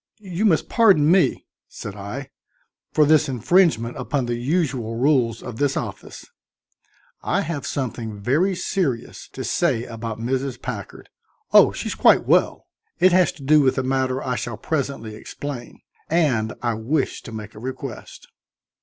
"You must pardon me," said I, "for this infringement upon the usual rules of this office. I have something very serious to say about Mrs. Packard oh, she's quite well; it has to do with a matter I shall presently explain and I wish to make a request."